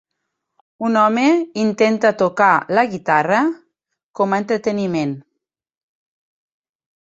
Un home intenta tocar la guitarra com a entreteniment.